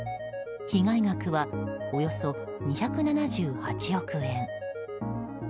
被害額はおよそ２７８億円。